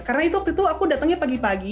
karena itu waktu itu aku datangnya pagi pagi